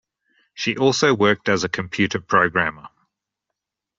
She also worked as a computer programmer.